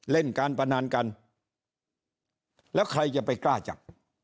เล่นการพนันกันแล้วใครจะไปกล้าจับ